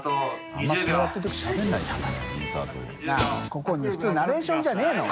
ここ普通ナレーションじゃねぇの？